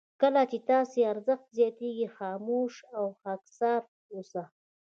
کله چې ستاسو ارزښت زیاتېږي خاموشه او خاکساره اوسه.